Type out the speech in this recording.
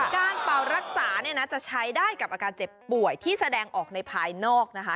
เป่ารักษาเนี่ยนะจะใช้ได้กับอาการเจ็บป่วยที่แสดงออกในภายนอกนะคะ